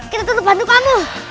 kita tetep bantu kamu